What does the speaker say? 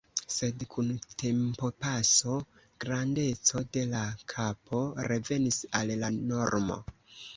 Sed kun tempopaso grandeco de la kapo revenis al la normo.